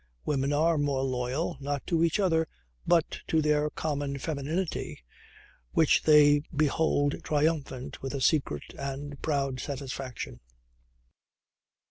Women are more loyal, not to each other, but to their common femininity which they behold triumphant with a secret and proud satisfaction.